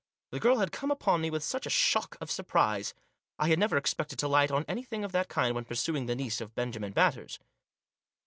The girl had come upon me with such a shock of surprise. I had never expected to light on anything of that kind when pursuing the niece of Benjamin Batters.